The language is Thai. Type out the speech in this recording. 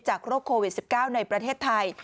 โรคโควิด๑๙ในประเทศไทย